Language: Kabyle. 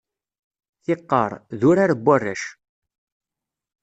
Tiqqar, d urar n warrac.